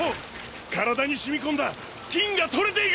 体に染み込んだ金が取れていく！